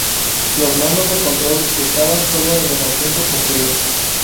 Los mandos de control estaban solo en el asiento posterior.